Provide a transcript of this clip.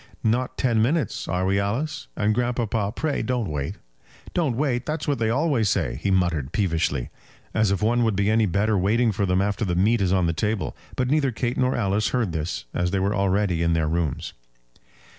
"Not ten minutes; are we, Alice? And, grandpapa, pray don't wait." "Don't wait! That's what they always say," he muttered, peevishly. "As if one would be any better waiting for them after the meat is on the table." But neither Kate nor Alice heard this, as they were already in their rooms.